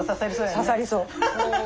刺さりそう。